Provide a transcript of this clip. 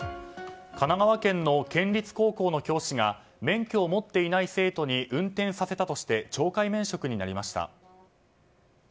神奈川県の県立高校の教師が免許を持っていない生徒に運転させたとして懲戒免職になりました。